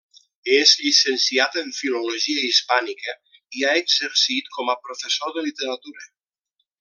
És llicenciat en filologia hispànica, i ha exercit com a professor de literatura.